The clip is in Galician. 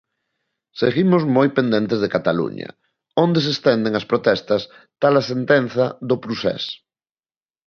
Seguimos moi pendentes de Cataluña, onde se estenden as protestas trala sentenza do Procés.